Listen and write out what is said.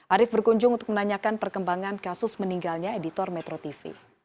arief berkunjung untuk menanyakan perkembangan kasus meninggalnya editor metro tv